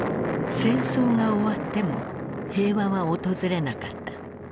戦争が終わっても平和は訪れなかった。